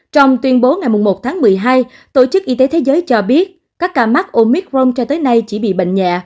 trong tuyên bố ngày một tháng một mươi hai tổ chức y tế thế giới cho biết các ca mắc omicron cho tới nay chỉ bị bệnh nhẹ